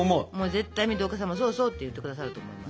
絶対水戸岡さんも「そうそう」って言って下さると思います。